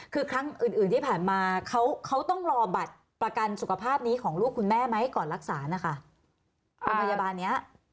คือครั้งอื่นที่ผ่านมาเขาต้องรอบัตรประกันสุขภาพนี้ของลูกคุณแม่ไหมก่อนรักษานะคะโรงพยาบาลนี้